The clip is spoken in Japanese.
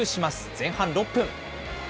前半６分。